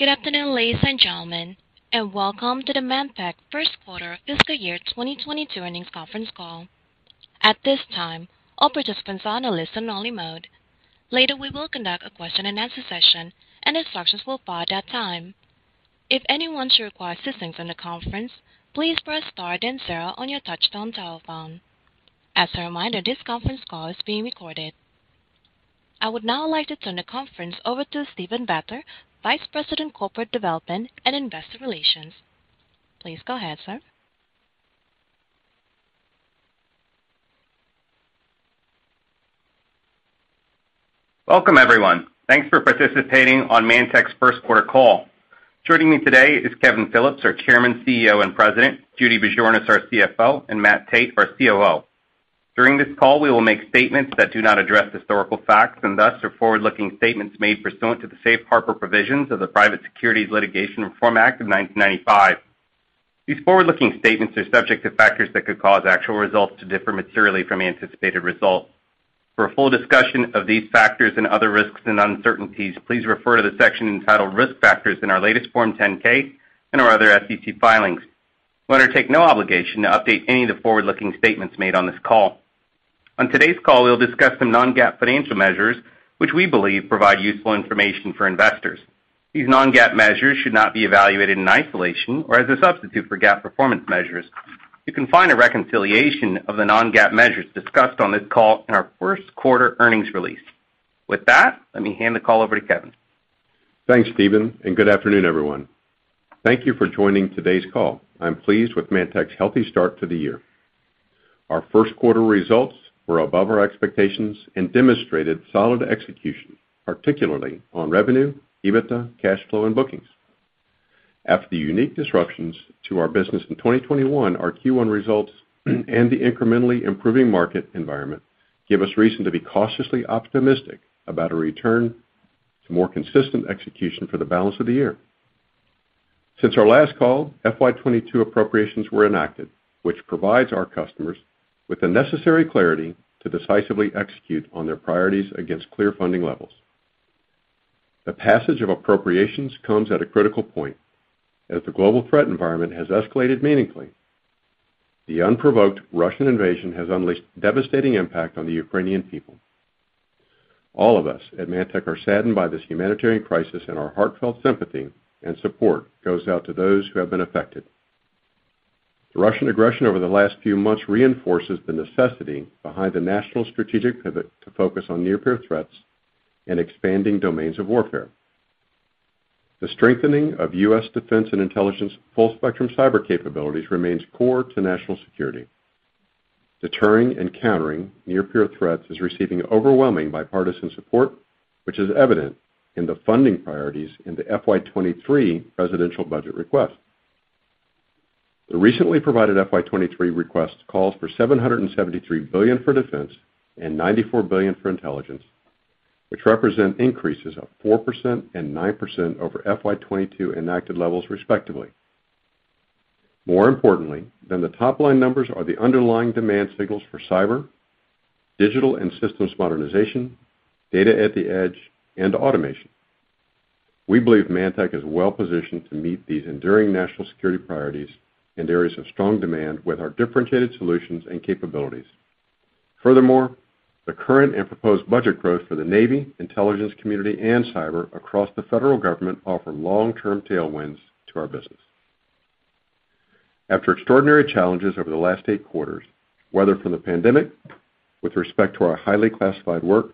Good afternoon, ladies and gentlemen, and welcome to the ManTech Q1 fiscal year 2022 earnings conference call. At this time, all participants are in a listen-only mode. Later, we will conduct a question-and-answer session, and instructions will follow at that time. If anyone should require assistance on the conference, please press star then zero on your touch tone telephone. As a reminder, this conference call is being recorded. I would now like to turn the conference over to Stephen Vather, Vice President, Corporate Development and Investor Relations. Please go ahead, sir. Welcome, everyone. Thanks for participating on ManTech's Q1 call. Joining me today is Kevin Phillips, our Chairman, CEO, and President, Judy Bjornaas, our CFO, and Matt Tait, our COO. During this call, we will make statements that do not address historical facts, and thus are forward-looking statements made pursuant to the safe harbor provisions of the Private Securities Litigation Reform Act of 1995. These forward-looking statements are subject to factors that could cause actual results to differ materially from the anticipated results. For a full discussion of these factors and other risks and uncertainties, please refer to the section entitled Risk Factors in our latest Form 10-K and our other SEC filings. We undertake no obligation to update any of the forward-looking statements made on this call. On today's call, we'll discuss some non-GAAP financial measures which we believe provide useful information for investors. These non-GAAP measures should not be evaluated in isolation or as a substitute for GAAP performance measures. You can find a reconciliation of the non-GAAP measures discussed on this call in our Q1 earnings release. With that, let me hand the call over to Kevin. Thanks, Stephen, and good afternoon, everyone. Thank you for joining today's call. I'm pleased with ManTech's healthy start to the year. Our Q1 results were above our expectations and demonstrated solid execution, particularly on revenue, EBITDA, cash flow, and bookings. After the unique disruptions to our business in 2021, our Q1 results and the incrementally improving market environment give us reason to be cautiously optimistic about a return to more consistent execution for the balance of the year. Since our last call, FY 2022 appropriations were enacted, which provides our customers with the necessary clarity to decisively execute on their priorities against clear funding levels. The passage of appropriations comes at a critical point as the global threat environment has escalated meaningfully. The unprovoked Russian invasion has unleashed devastating impact on the Ukrainian people. All of us at ManTech are saddened by this humanitarian crisis, and our heartfelt sympathy and support goes out to those who have been affected. The Russian aggression over the last few months reinforces the necessity behind the national strategic pivot to focus on near-peer threats and expanding domains of warfare. The strengthening of U.S. defense and intelligence full spectrum cyber capabilities remains core to national security. Deterring and countering near-peer threats is receiving overwhelming bipartisan support, which is evident in the funding priorities in the FY 2023 presidential budget request. The recently provided FY 2023 request calls for $773 billion for defense and $94 billion for intelligence, which represent increases of 4% and 9% over FY 2022 enacted levels, respectively. More importantly than the top-line numbers are the underlying demand signals for cyber, digital and systems modernization, data at the edge, and automation. We believe ManTech is well-positioned to meet these enduring national security priorities in areas of strong demand with our differentiated solutions and capabilities. Furthermore, the current and proposed budget growth for the Navy, intelligence community, and cyber across the federal government offer long-term tailwinds to our business. After extraordinary challenges over the last eight quarters, whether from the pandemic with respect to our highly classified work,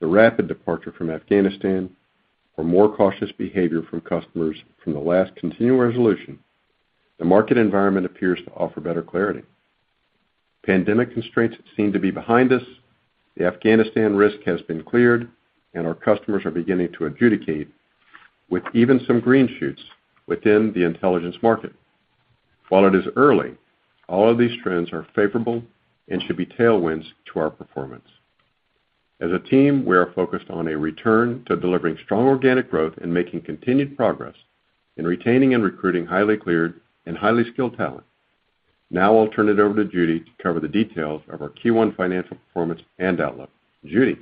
the rapid departure from Afghanistan, or more cautious behavior from customers from the last continuing resolution, the market environment appears to offer better clarity. Pandemic constraints seem to be behind us. The Afghanistan risk has been cleared, and our customers are beginning to accelerate with even some green shoots within the intelligence market. While it is early, all of these trends are favorable and should be tailwinds to our performance. As a team, we are focused on a return to delivering strong organic growth and making continued progress in retaining and recruiting highly cleared and highly skilled talent. Now I'll turn it over to Judy to cover the details of our Q1 financial performance and outlook. Judy.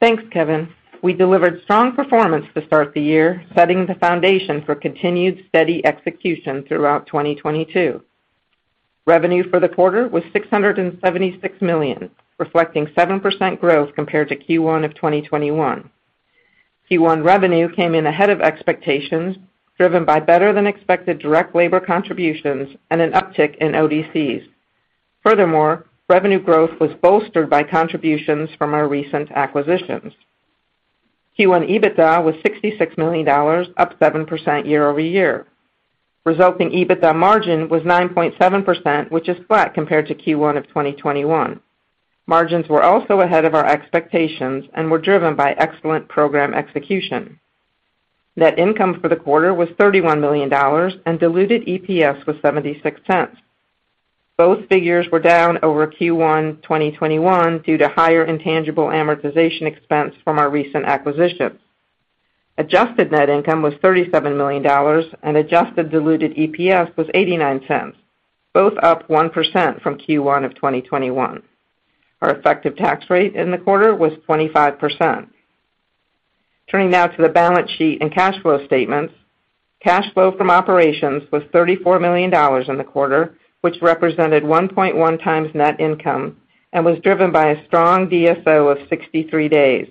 Thanks, Kevin. We delivered strong performance to start the year, setting the foundation for continued steady execution throughout 2022. Revenue for the quarter was $676 million, reflecting 7% growth compared to Q1 of 2021. Q1 revenue came in ahead of expectations, driven by better than expected direct labor contributions and an uptick in ODCs. Furthermore, revenue growth was bolstered by contributions from our recent acquisitions. Q1 EBITDA was $66 million, up 7% year over year. Resulting EBITDA margin was 9.7%, which is flat compared to Q1 of 2021. Margins were also ahead of our expectations and were driven by excellent program execution. Net income for the quarter was $31 million, and diluted EPS was $0.76. Both figures were down over Q1 2021 due to higher intangible amortization expense from our recent acquisitions. Adjusted net income was $37 million, and adjusted diluted EPS was $0.89, both up 1% from Q1 of 2021. Our effective tax rate in the quarter was 25%. Turning now to the balance sheet and cash flow statements. Cash flow from operations was $34 million in the quarter, which represented 1.1x net income and was driven by a strong DSO of 63 days,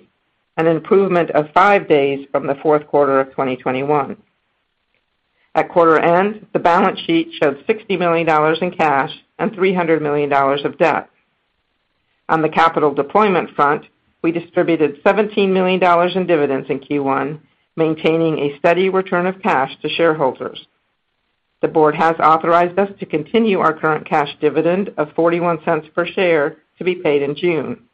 an improvement of 5 days from the Q4 of 2021. At quarter end, the balance sheet showed $60 million in cash and $300 million of debt. On the capital deployment front, we distributed $17 million in dividends in Q1, maintaining a steady return of cash to shareholders. The board has authorized us to continue our current cash dividend of $0.41 per share to be paid in June.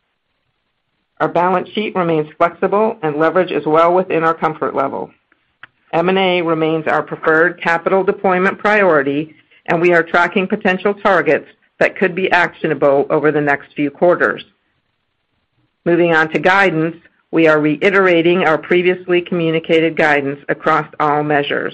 Our balance sheet remains flexible and leverage is well within our comfort level. M&A remains our preferred capital deployment priority, and we are tracking potential targets that could be actionable over the next few quarters. Moving on to guidance, we are reiterating our previously communicated guidance across all measures.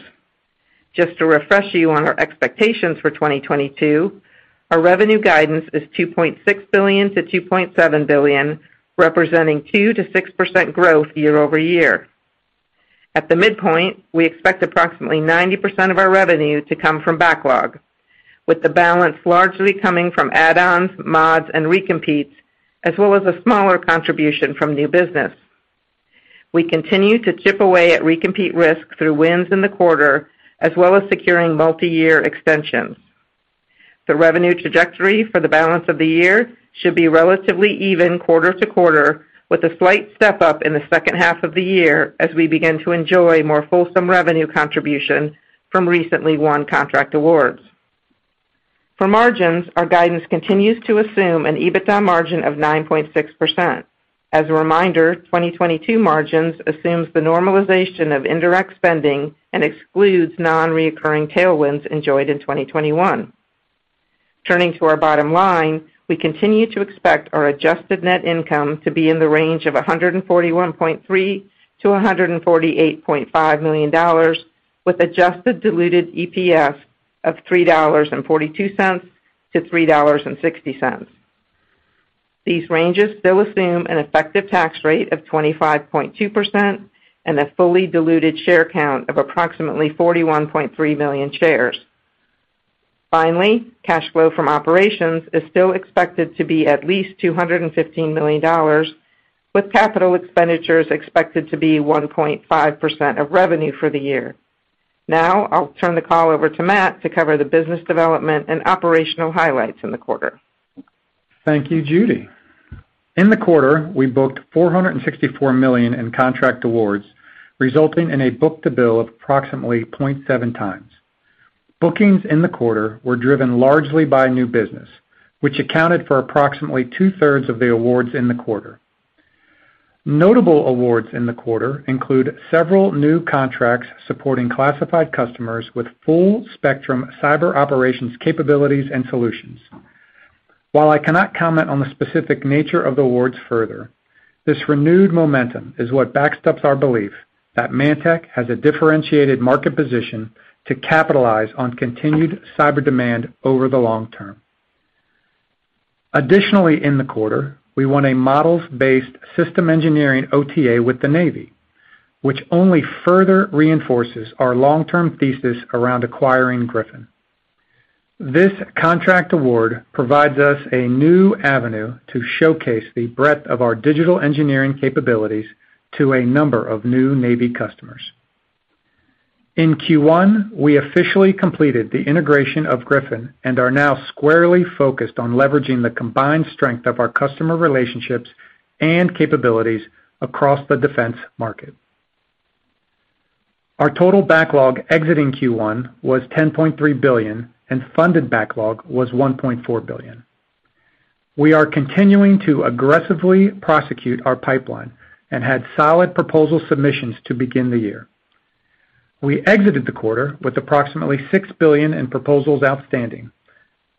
Just to refresh you on our expectations for 2022, our revenue guidance is $2.6 billion to $2.7 billion, representing 2% to 6% growth year-over-year. At the midpoint, we expect approximately 90% of our revenue to come from backlog, with the balance largely coming from add-ons, mods, and recompetes, as well as a smaller contribution from new business. We continue to chip away at recompete risk through wins in the quarter, as well as securing multiyear extensions. The revenue trajectory for the balance of the year should be relatively even quarter-to-quarter, with a slight step-up in the H2 of the year as we begin to enjoy more fulsome revenue contribution from recently won contract awards. For margins, our guidance continues to assume an EBITDA margin of 9.6%. As a reminder, 2022 margins assumes the normalization of indirect spending and excludes non-reoccurring tailwinds enjoyed in 2021. Turning to our bottom line, we continue to expect our adjusted net income to be in the range of $141.3 million to $148.5 million with adjusted diluted EPS of $3.42 to $3.60. These ranges still assume an effective tax rate of 25.2% and a fully diluted share count of approximately 41.3 million shares. Finally, cash flow from operations is still expected to be at least $215 million, with capital expenditures expected to be 1.5% of revenue for the year. Now, I'll turn the call over to Matt to cover the business development and operational highlights in the quarter. Thank you, Judy. In the quarter, we booked $464 million in contract awards, resulting in a book-to-bill of approximately 0.7x. Bookings in the quarter were driven largely by new business, which accounted for approximately 2/3 of the awards in the quarter. Notable awards in the quarter include several new contracts supporting classified customers with full spectrum cyber operations capabilities and solutions. While I cannot comment on the specific nature of the awards further, this renewed momentum is what backstops our belief that ManTech has a differentiated market position to capitalize on continued cyber demand over the long term. Additionally, in the quarter, we won a models-based system engineering OTA with the Navy, which only further reinforces our long-term thesis around acquiring Gryphon. This contract award provides us a new avenue to showcase the breadth of our digital engineering capabilities to a number of new Navy customers. In Q1, we officially completed the integration of Gryphon and are now squarely focused on leveraging the combined strength of our customer relationships and capabilities across the defense market. Our total backlog exiting Q1 was $10.3 billion, and funded backlog was $1.4 billion. We are continuing to aggressively prosecute our pipeline and had solid proposal submissions to begin the year. We exited the quarter with approximately $6 billion in proposals outstanding,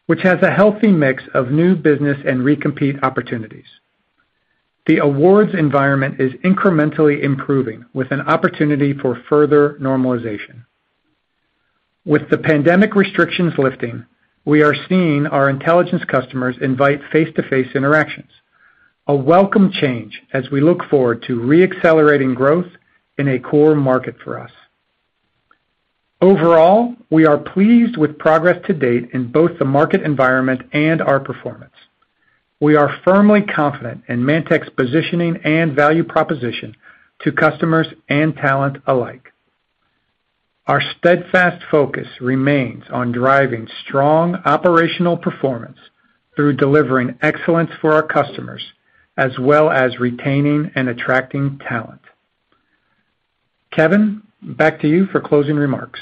which has a healthy mix of new business and recompete opportunities. The awards environment is incrementally improving with an opportunity for further normalization. With the pandemic restrictions lifting, we are seeing our intelligence customers invite face-to-face interactions, a welcome change as we look forward to re-accelerating growth in a core market for us. Overall, we are pleased with progress to date in both the market environment and our performance. We are firmly confident in ManTech's positioning and value proposition to customers and talent alike. Our steadfast focus remains on driving strong operational performance through delivering excellence for our customers, as well as retaining and attracting talent. Kevin, back to you for closing remarks.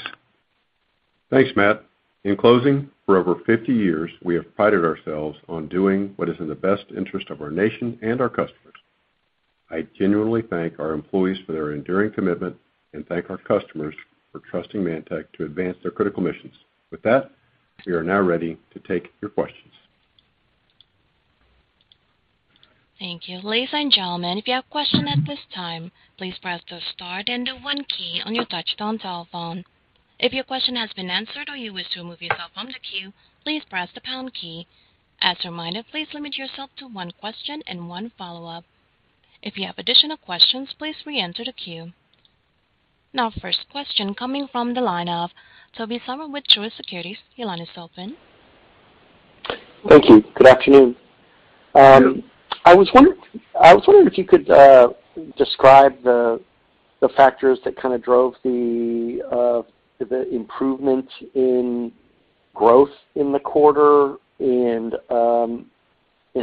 Thanks, Matt. In closing, for over 50 years, we have prided ourselves on doing what is in the best interest of our nation and our customers. I genuinely thank our employees for their enduring commitment and thank our customers for trusting ManTech to advance their critical missions. With that, we are now ready to take your questions. Thank you. Ladies and gentlemen, if you have a question at this time, please press the star then the one key on your touchtone telephone. If your question has been answered or you wish to remove yourself from the queue, please press the pound key. As a reminder, please limit yourself to one question and one follow-up. If you have additional questions, please re-enter the queue. Now, first question coming from the line of Tobey Sommer with Truist Securities. Your line is open. Thank you. Good afternoon. I was wondering if you could describe the factors that kind of drove the improvement in growth in the quarter and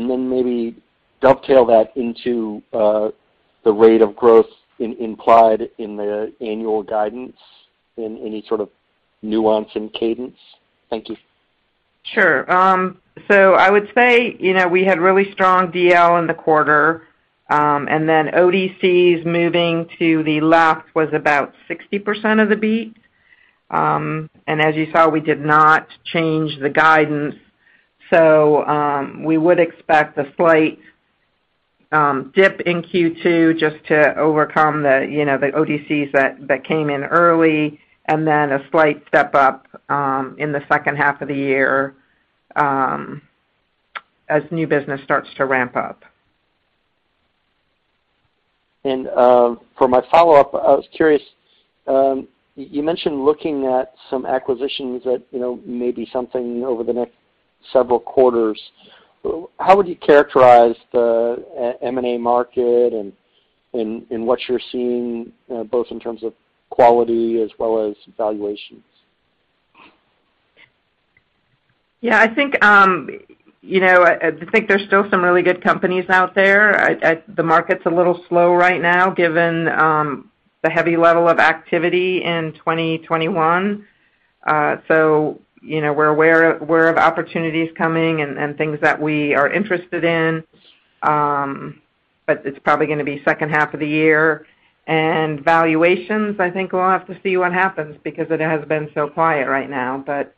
then maybe dovetail that into the rate of growth implied in the annual guidance in any sort of nuance and cadence. Thank you. Sure. I would say, you know, we had really strong DL in the quarter, and then ODCs moving to the left was about 60% of the beat. As you saw, we did not change the guidance. We would expect a slight dip in Q2 just to overcome the, you know, the ODCs that came in early and then a slight step up in the H2 of the year as new business starts to ramp up. For my follow-up, I was curious, you mentioned looking at some acquisitions that, you know, may be something over the next several quarters. How would you characterize the M&A market and what you're seeing, both in terms of quality as well as valuations? Yeah, I think, you know, I think there's still some really good companies out there. The market's a little slow right now given the heavy level of activity in 2021. So, you know, we're aware of opportunities coming and things that we are interested in. But it's probably gonna be H2 of the year. Valuations, I think we'll have to see what happens because it has been so quiet right now. But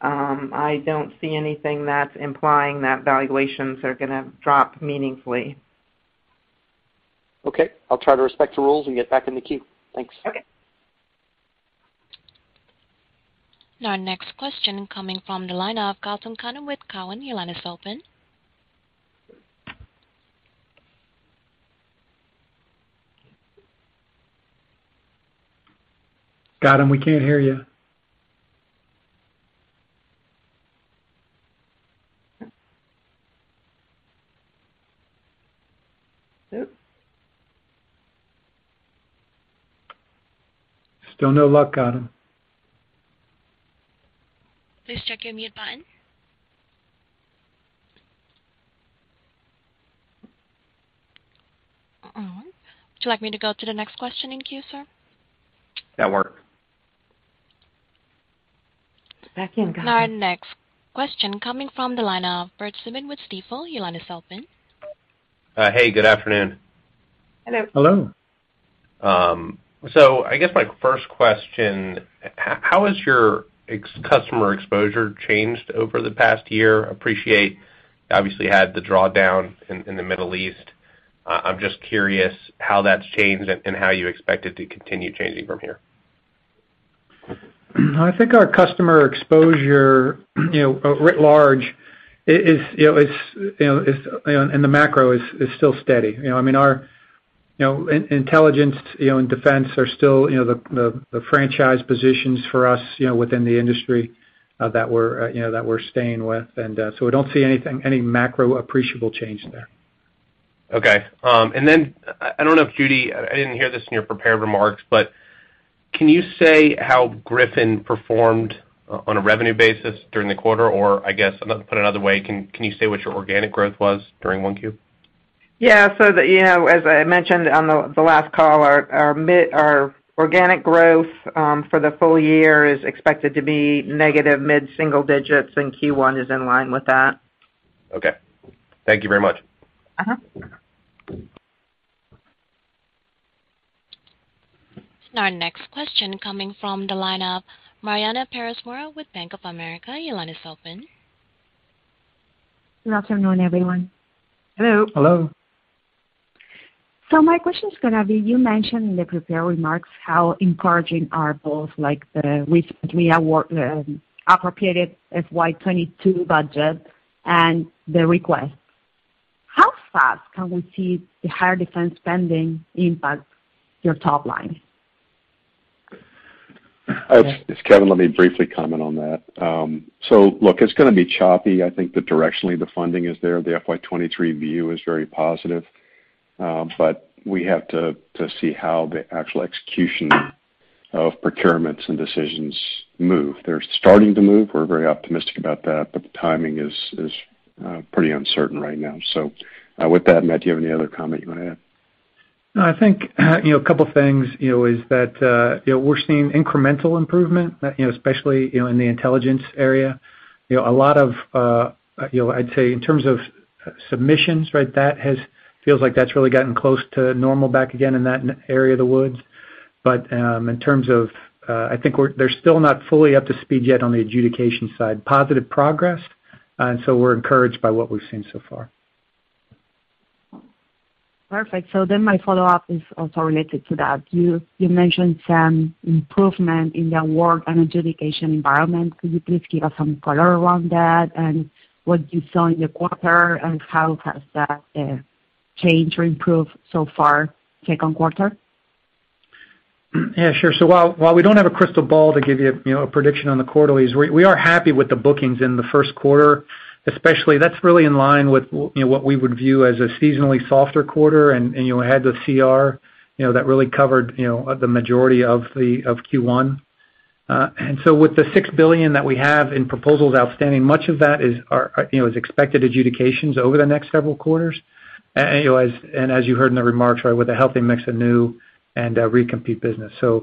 I don't see anything that's implying that valuations are gonna drop meaningfully. Okay. I'll try to respect the rules and get back in the queue. Thanks. Okay. Our next question coming from the line of Gautam Khanna with Cowen. Your line is open. Gautam, we can't hear you. Oops. Still no luck, Gautam. Please check your mute button. Would you like me to go to the next question in queue, sir? That works. Back in, Gautam. Our next question coming from the line of Bert Subin with Stifel. Your line is open. Hey, good afternoon. Hello. Hello. I guess my first question, how has your customer exposure changed over the past year? I appreciate that you obviously had the drawdown in the Middle East. I'm just curious how that's changed and how you expect it to continue changing from here. I think our customer exposure, you know, writ large is, you know, in the macro, is still steady. You know, I mean, our, you know, intelligence, you know, and defense are still, you know, the franchise positions for us, you know, within the industry, that we're, you know, staying with. We don't see anything, any macro appreciable change there. Okay. I don't know if Judy, I didn't hear this in your prepared remarks, but can you say how Gryphon performed on a revenue basis during the quarter? Or I guess, put another way, can you say what your organic growth was during 1Q? Yeah. You know, as I mentioned on the last call, our organic growth for the full year is expected to be negative mid-single digits. Q1 is in line with that. Okay. Thank you very much. Uh-huh. Our next question coming from the line of Mariana Perez Mora with Bank of America. Your line is open. Good afternoon, everyone. Hello. Hello. My question is gonna be, you mentioned in the prepared remarks how encouraging are both, like, the recent appropriated FY 2022 budget and the request. How fast can we see the higher defense spending impact your top line? It's Kevin. Let me briefly comment on that. Look, it's gonna be choppy. I think that directionally the funding is there. The FY 2023 view is very positive. We have to see how the actual execution of procurements and decisions move. They're starting to move. We're very optimistic about that, but the timing is pretty uncertain right now. With that, Matt, do you have any other comment you wanna add? No, I think, you know, a couple things, you know, is that, you know, we're seeing incremental improvement, you know, especially, you know, in the intelligence area. You know, a lot of, you know, I'd say in terms of, submissions, right? Feels like that's really gotten close to normal back again in that neck of the woods. In terms of, I think they're still not fully up to speed yet on the adjudication side. Positive progress, and we're encouraged by what we've seen so far. Perfect. My follow-up is also related to that. You mentioned some improvement in the award and adjudication environment. Could you please give us some color around that and what you saw in the quarter and how has that changed or improved so far this quarter? Yeah, sure. While we don't have a crystal ball to give you know, a prediction on the quarterlies, we are happy with the bookings in the Q1 especially. That's really in line with you know, what we would view as a seasonally softer quarter. You had the CR, you know, that really covered, you know, the majority of Q1. With the $6 billion that we have in proposals outstanding, much of that is, you know, expected adjudications over the next several quarters. Anyways, as you heard in the remarks, right, with a healthy mix of new and recompete business. You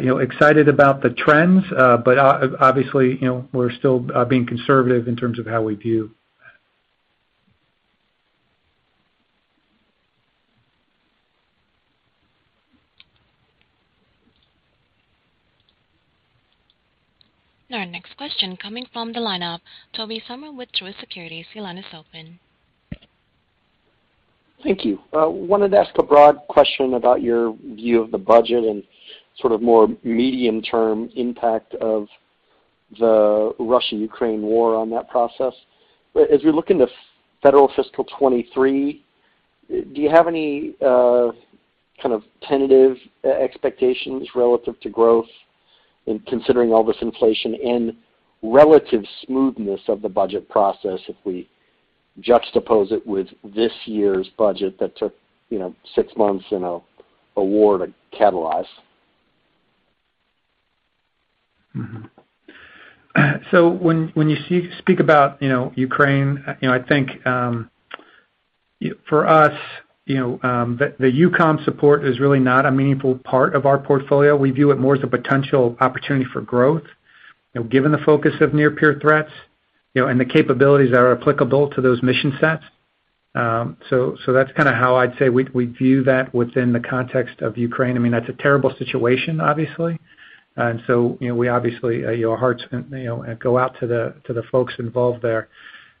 know, excited about the trends, but obviously, you know, we're still being conservative in terms of how we view. Our next question coming from the line of Tobey Sommer with Truist Securities. Your line is open. Thank you. Wanted to ask a broad question about your view of the budget and sort of more medium-term impact of the Russia-Ukraine war on that process. As you look into federal fiscal 23, do you have any kind of tentative expectations relative to growth in considering all this inflation and relative smoothness of the budget process if we juxtapose it with this year's budget that took, you know, six months and a war to catalyze? When you speak about, you know, Ukraine, you know, I think, for us, you know, the EUCOM support is really not a meaningful part of our portfolio. We view it more as a potential opportunity for growth, you know, given the focus of near peer threats, you know, and the capabilities that are applicable to those mission sets. That's kinda how I'd say we view that within the context of Ukraine. I mean, that's a terrible situation, obviously. We obviously, you know, our hearts, you know, go out to the folks involved there.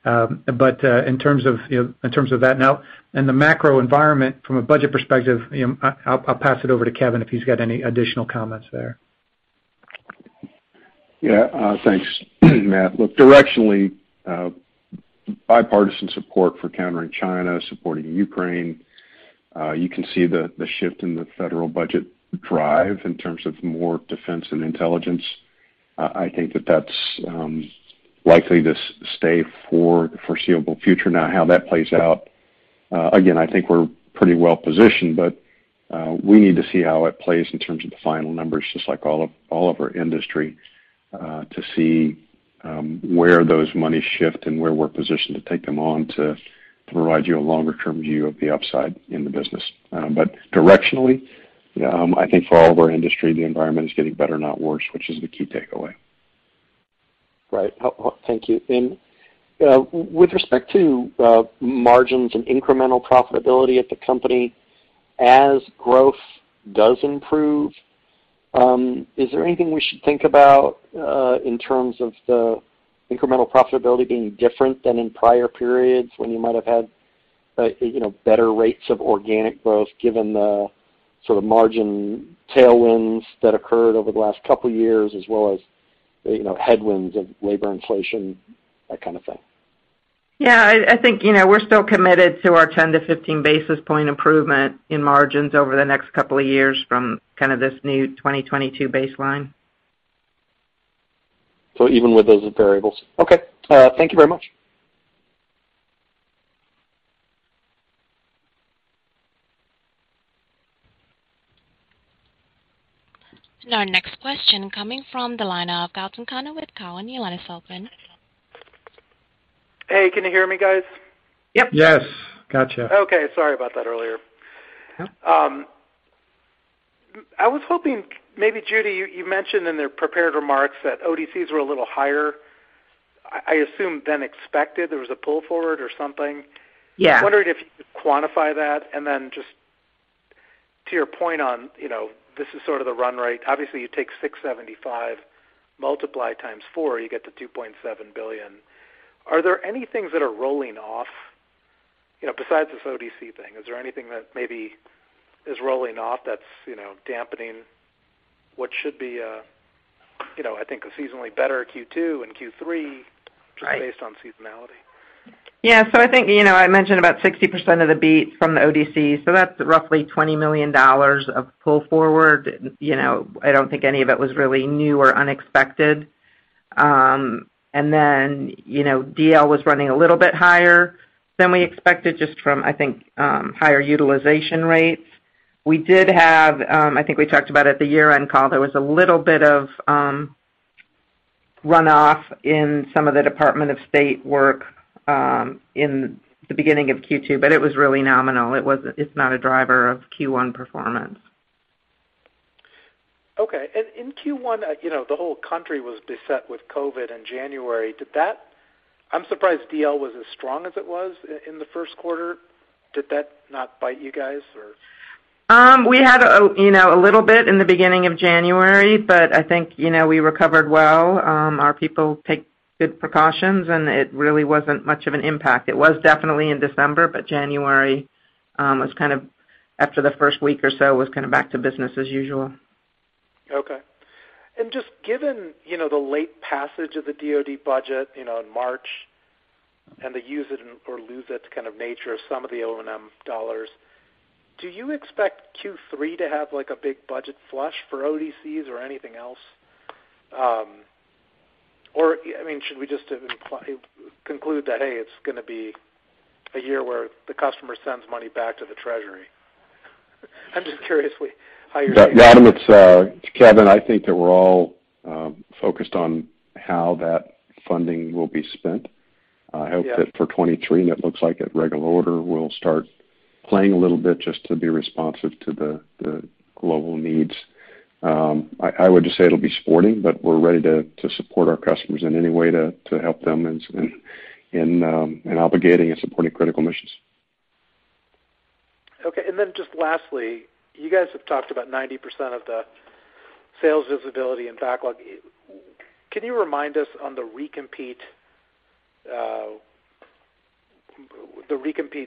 In terms of, you know, in terms of that now and the macro environment from a budget perspective, you know, I'll pass it over to Kevin if he's got any additional comments there. Yeah, thanks, Matt. Look, directionally, bipartisan support for countering China, supporting Ukraine, you can see the shift in the federal budget drive in terms of more defense and intelligence. I think that's likely to stay for the foreseeable future. Now how that plays out, again, I think we're pretty well positioned, but we need to see how it plays in terms of the final numbers, just like all of our industry, to see where those monies shift and where we're positioned to take them on to provide you a longer term view of the upside in the business. Directionally, I think for all of our industry, the environment is getting better, not worse, which is the key takeaway. Right. Thank you. With respect to margins and incremental profitability at the company, as growth does improve, is there anything we should think about in terms of the incremental profitability being different than in prior periods when you might have had, you know, better rates of organic growth given the sort of margin tailwinds that occurred over the last couple years as well as, you know, headwinds of labor inflation, that kind of thing? Yeah, I think, you know, we're still committed to our 10 to 15 basis points improvement in margins over the next couple of years from kind of this new 2022 baseline. Even with those variables. Okay, thank you very much. Our next question coming from the line of Gautam Khanna with Cowen. Your line is open. Hey, can you hear me guys? Yep. Yes, gotcha. Okay, sorry about that earlier. Yeah. I was hoping maybe Judy, you mentioned in the prepared remarks that ODCs were a little higher, I assume, than expected. There was a pull forward or something. Yeah. I'm wondering if you could quantify that. Just to your point on, you know, this is sort of the run rate. Obviously, you take $675 million multiply times 4, you get to $2.7 billion. Are there any things that are rolling off, you know, besides this ODC thing? Is there anything that maybe is rolling off that's, you know, dampening what should be, you know, I think a seasonally better Q2 and Q3? Right. Just based on seasonality? Yeah. I think, you know, I mentioned about 60% of the beat from the ODC, so that's roughly $20 million of pull forward. You know, I don't think any of it was really new or unexpected. You know, DL was running a little bit higher than we expected just from, I think, higher utilization rates. We did have, I think we talked about at the year-end call, there was a little bit of runoff in some of the Department of State work in the beginning of Q2, but it was really nominal. It's not a driver of Q1 performance. Okay. In Q1, you know, the whole country was beset with COVID in January. I'm surprised DL was as strong as it was in the Q1. Did that not bite you guys or? We had, you know, a little bit in the beginning of January, but I think, you know, we recovered well. Our people take good precautions, and it really wasn't much of an impact. It was definitely in December, but January was kind of after the first week or so was kinda back to business as usual. Okay. Just given, you know, the late passage of the DoD budget, you know, in March and the use it or lose it kind of nature of some of the O&M dollars, do you expect Q3 to have, like, a big budget flush for ODCs or anything else? Or, I mean, should we just conclude that, hey, it's gonna be a year where the customer sends money back to the treasury? I'm just curious how you're- Yeah, Gautam, it's Kevin. I think that we're all focused on how that funding will be spent. Yeah. I hope that for 2023, and it looks like at regular order, we'll start planning a little bit just to be responsive to the global needs. I would just say it'll be supporting, but we're ready to support our customers in any way to help them in obligating and supporting critical missions. Okay. Just lastly, you guys have talked about 90% of the sales visibility and backlog. Can you remind us on the recompete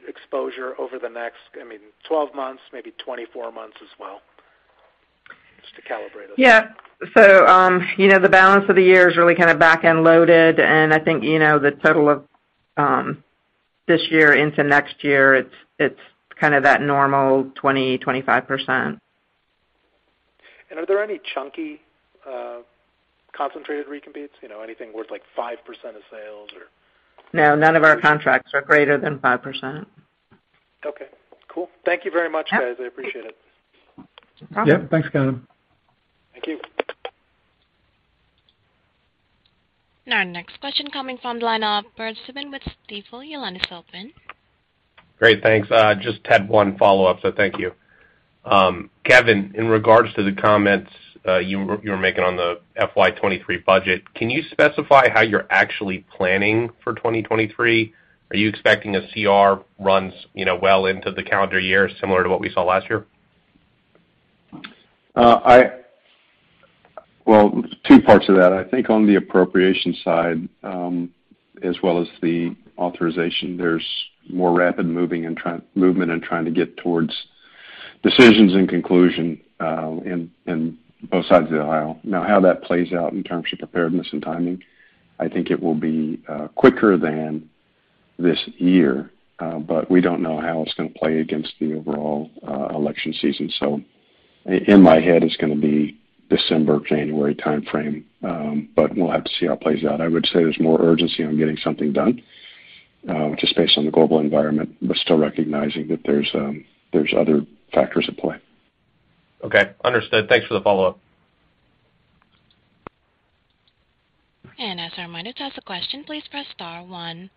exposure over the next, I mean, 12 months, maybe 24 months as well? Just to calibrate us. The balance of the year is really kind of back-end loaded, and I think, you know, the total of this year into next year, it's kind of that normal 20-25%. Are there any chunky, concentrated recompetes? You know, anything worth, like, 5% of sales or? No, none of our contracts are greater than 5%. Okay. Cool. Thank you very much, guys. Yeah. I appreciate it. No problem. Yep. Thanks, Kevin. Thank you. Our next question coming from the line of Bert Subin with Stifel. Your line is open. Great. Thanks. Just had one follow-up, so thank you. Kevin, in regards to the comments you were making on the FY 2023 budget, can you specify how you're actually planning for 2023? Are you expecting a CR run, you know, well into the calendar year similar to what we saw last year? Well, two parts of that. I think on the appropriation side, as well as the authorization, there's more rapid moving and movement in trying to get towards decisions and conclusion, in both sides of the aisle. Now, how that plays out in terms of preparedness and timing, I think it will be quicker than this year, but we don't know how it's gonna play against the overall election season. In my head, it's gonna be December, January timeframe, but we'll have to see how it plays out. I would say there's more urgency on getting something done, just based on the global environment, but still recognizing that there's other factors at play. Okay. Understood. Thanks for the follow-up. As a reminder, to ask a question, please press star one.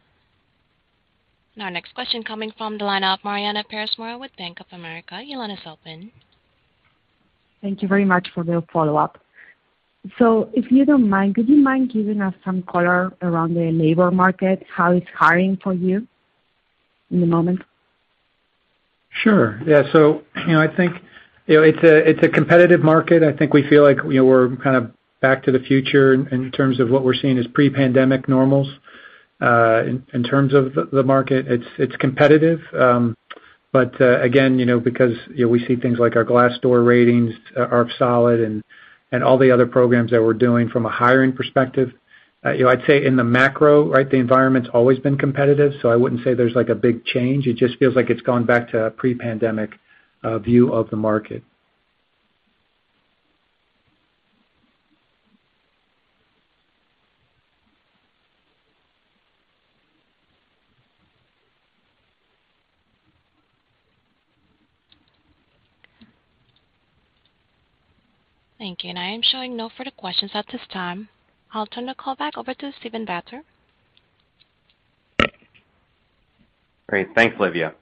Our next question coming from the line of Mariana Perez Mora with Bank of America. Your line is open. Thank you very much for the follow-up. If you don't mind, could you give us some color around the labor market, how it's hiring for you in the moment? Sure. Yeah. You know, I think, you know, it's a competitive market. I think we feel like, you know, we're kind of back to the future in terms of what we're seeing as pre-pandemic normals in terms of the market. It's competitive. But again, you know, because, you know, we see things like our Glassdoor ratings are solid and all the other programs that we're doing from a hiring perspective. You know, I'd say in the macro, right, the environment's always been competitive, so I wouldn't say there's like a big change. It just feels like it's gone back to a pre-pandemic view of the market. Thank you. I am showing no further questions at this time. I'll turn the call back over to Stephen Vather. Great. Thanks, Livia.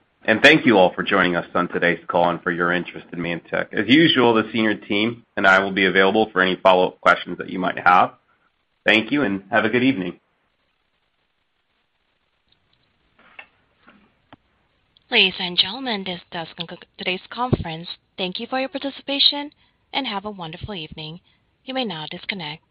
Thank you all for joining us on today's call and for your interest in ManTech. As usual, the senior team and I will be available for any follow-up questions that you might have. Thank you, and have a good evening. Ladies and gentlemen, this does conclude today's conference. Thank you for your participation, and have a wonderful evening. You may now disconnect.